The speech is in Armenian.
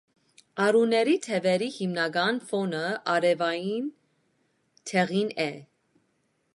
Արուների թևերի հիմնական ֆոնը արևային դեղին է։